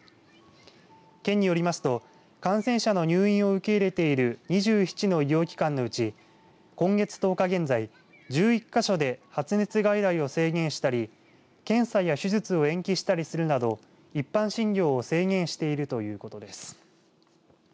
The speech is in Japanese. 県によりますと感染者の入院を受け入れている２７の医療機関のうち今月１０日現在、１１か所で発熱外来を制限したり検査や手術を延期したりするなど一般診療を制限しているということです。